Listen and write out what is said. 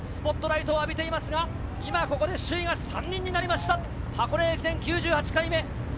新春の陽光、スポットライトを浴びていますが、今ここで首位が３人になりました、箱根駅伝９８回目。